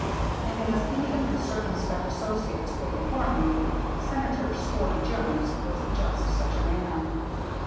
And as any of his circumspect associates could inform you, Senator Sporty Jones was just such a man.